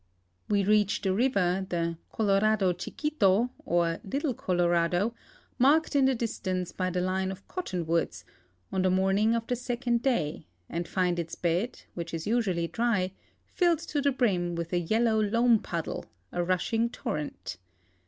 We reach the river, the Colorado Chiquito, or Little Colorado, marked in the distance by the line of cottonwoods, on the morn THE FORESTS AXD DESERTS OF A IUZOXa 2l'l ing of the second day, and find its hed, whic h is usually drv, filled to the hrini with a yellow loam puddU . a rushing tiirreiit!